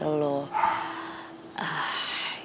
perlakuan yang dikelu